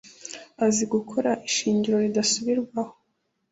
azi gukora ishingiro ridasubirwaho